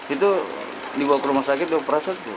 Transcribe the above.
itu dibawa ke rumah sakit dia operasional